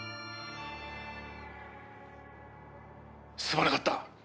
すまなかった。